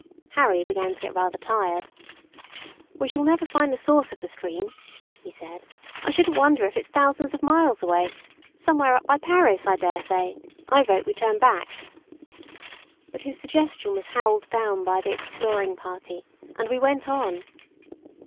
Harry began to get rather tired. "We shall never find the source of the stream," he said. "I shouldn't wonder if it's thousands of miles away, somewhere up by Paris I daresay. I vote we turn back." But his suggestion was howled down by the exploring party, and we went on.